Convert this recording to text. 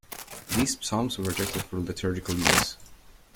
These Psalms were rejected for liturgical use.